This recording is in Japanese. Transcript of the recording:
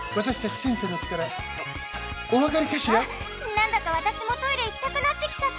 なんだかわたしもトイレいきたくなってきちゃった。